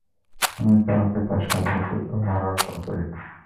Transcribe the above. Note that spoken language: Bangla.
আমি কাউকেও তার সাধ্যাতীত ভার অর্পণ করি না।